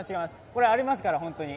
これ、ありますから、本当に。